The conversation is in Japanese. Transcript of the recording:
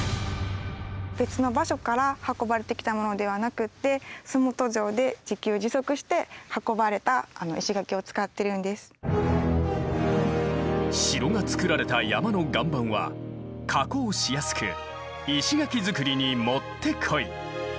別の場所から運ばれてきたものではなくって洲本城で城が造られた山の岩盤は加工しやすく石垣造りにもってこい。